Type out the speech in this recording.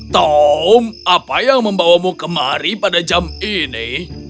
tom apa yang membawamu kemari pada jam ini